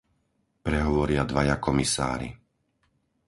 Prehovoria dvaja komisári.